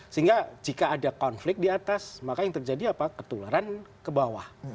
sehingga jika ada konflik di atas maka yang terjadi apa ketularan ke bawah